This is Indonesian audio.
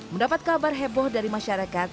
mendapat kabar heboh dari masyarakat